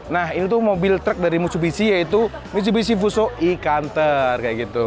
nah ini mobil truk dari mitsubishi yaitu mitsubishi fuso e counter